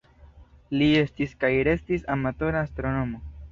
Li estis kaj restis amatora astronomo.